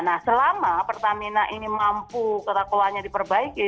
nah selama pertamina ini mampu ketakuannya diperbaiki